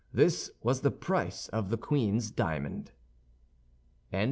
This was the price of the queen's diamond.